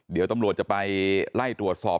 เดี๋ยวตำรวจจะไปไล่ตรวจสอบ